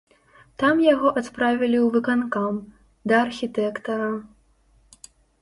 Там яго адправілі ў выканкам, да архітэктара.